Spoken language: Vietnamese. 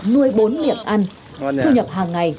nuôi bốn miệng ăn thu nhập hàng ngày